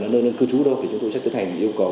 nơi nơi cư trú đâu thì chúng tôi sẽ tiến hành yêu cầu